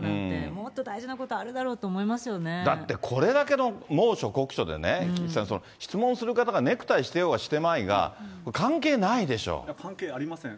もっと大事なことあるだろうと思だって、これだけの猛暑、酷暑でね、質問する方がネクタイしてようがしてまいが、関係ないで関係ありません。